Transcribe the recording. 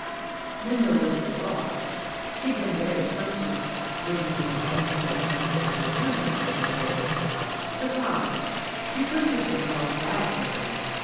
Then there was the girl; she'd been very friendly, giving me an egg from her own particular hen, and so on; besides, she couldn't have been called bad looking.